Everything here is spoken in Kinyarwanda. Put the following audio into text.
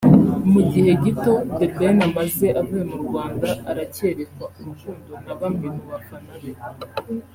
Mu gihe gito The Ben amaze avuye mu Rwanda aracyerekwa urukundo na bamwe mu bafana be